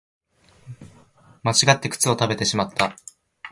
間違って靴を食べてしまった